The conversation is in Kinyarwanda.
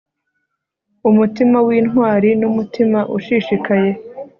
umutima wintwari numutima ushishikaye